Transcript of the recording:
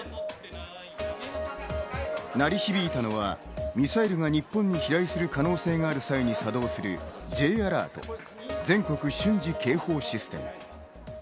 鳴り響いたのはミサイルが日本に飛来する可能性がある際に作動するＪアラート＝全国瞬時警報システム。